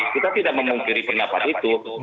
kita tidak memungkiri pendapat itu